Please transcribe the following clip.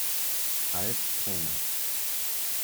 Als Trainer